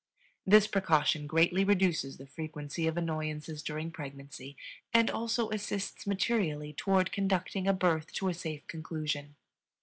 This precaution greatly reduces the frequency of annoyances during pregnancy and also assists materially toward conducting a birth to a safe conclusion.